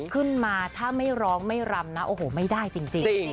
ขึ้นมาถ้าไม่ร้องไม่รำนะโอ้โหไม่ได้จริง